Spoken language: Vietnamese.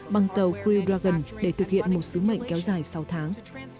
bằng tàu cri dragon để thực hiện một sứ mệnh kéo dài sáu tháng